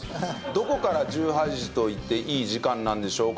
どこから１８時と言っていい時間なんでしょうか？